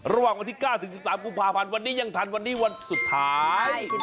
ระหว่างวันที่๙ถึง๑๓กุมภาพันธ์วันนี้ยังทันวันนี้วันสุดท้าย